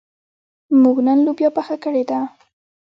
موږ نن لوبیا پخه کړې ده.